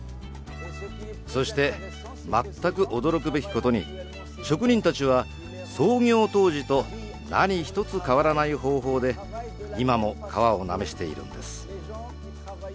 そして全く驚くべきことに職人たちは創業当時と何一つ変わらない方法で今も皮をなめしているんです。